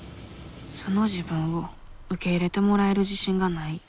素の自分を受け入れてもらえる自信がない。